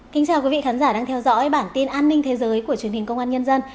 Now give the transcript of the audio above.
xin chào quý vị khán giả đang theo dõi bản tin an ninh thế giới của truyền hình công an nhân dân